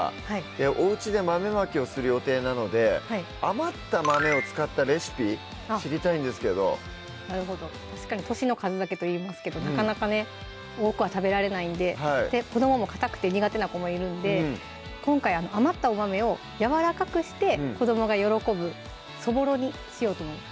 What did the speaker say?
おうちで豆まきをする予定なので余った豆を使ったレシピ知りたいんですけどなるほど確かに年の数だけといいますけどなかなかね多くは食べられないんで子どももかたくて苦手な子もいるんで今回余ったお豆をやわらかくして子どもが喜ぶそぼろにしようと思います